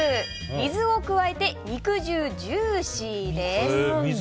水を加えて肉汁ジューシーです。